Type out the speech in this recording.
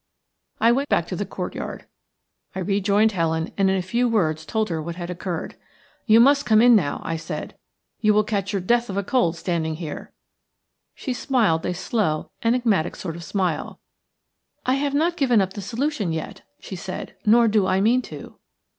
I went back to the courtyard. I rejoined Helen, and in a few words told her what had occurred. "You must come in now," I said. "You will catch your death of cold standing here." She smiled, a slow, enigmatic sort of smile. "I have not given up the solution yet," she said, "nor do I mean to."